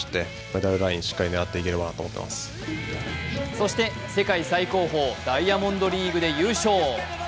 そして世界最高峰・ダイヤモンドリーグで優勝。